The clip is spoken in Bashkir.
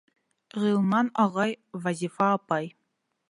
Ғилман ағай, Вазифа апай.